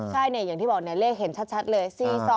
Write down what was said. ใช่เนี่ยอย่างที่บอกเนี่ยเลขเห็นชัดเลย๔๒๖๗๐